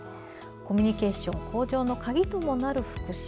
コミュニケーション向上の鍵ともなる副詞。